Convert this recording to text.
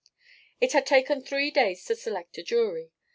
It had taken three days to select a jury.